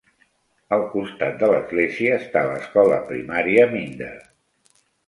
Al costat de l'església està l'escola primària Meander.